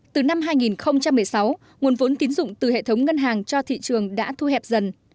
từ năm hai nghìn một mươi sáu nguồn vốn tín dụng từ hệ thống ngân hàng cho thị trường đã thu hẹp dần